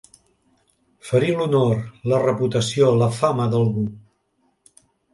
Ferir l'honor, la reputació, la fama, d'algú.